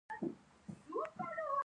د کډوالو وزارت د مهاجرینو خدمت کوي